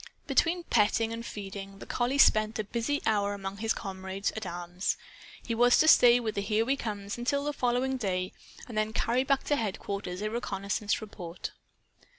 Between petting and feeding, the collie spent a busy hour among his comrades at arms. He was to stay with the "Here We Comes" until the following day, and then carry back to headquarters a reconnaissance report.